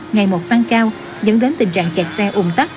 ngày một tăng cao dẫn đến tình trạng kẹt xe ủn tắc